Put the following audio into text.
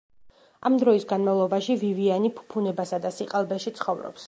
ამ დროის განმავლობაში ვივიანი ფუფუნებასა და სიყალბეში ცხოვრობს.